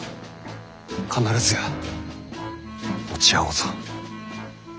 必ずや落ち合おうぞ。